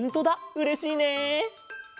うれしいね！